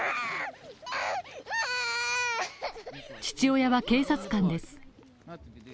父親は警察官です。